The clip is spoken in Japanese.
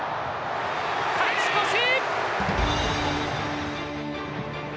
勝ち越し！